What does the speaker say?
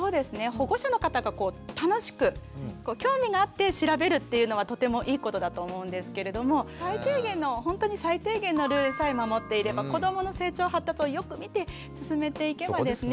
保護者の方が楽しく興味があって調べるっていうのはとてもいいことだと思うんですけれども最低限のほんとに最低限のルールさえ守っていれば子どもの成長発達をよく見て進めていけばですね